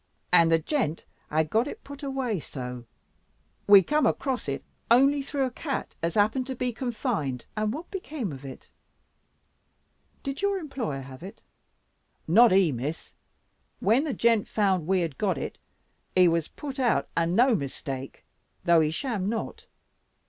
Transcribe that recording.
And the gent had got it put away so; we come across it only through a cat as happened to be confined " "And what became of it? Did your employer have it?" "Not he, Miss. When the gent found we had got it, he was put out and no mistake; though he sham not.